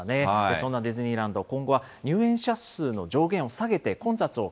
そんなディズニーランド、今後は入園者数の上限を下げて、混雑を